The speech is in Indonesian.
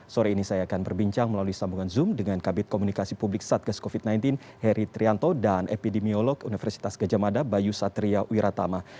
sore ini saya akan berbincang melalui sambungan zoom dengan kabit komunikasi publik satgas covid sembilan belas heri trianto dan epidemiolog universitas gajah mada bayu satria wiratama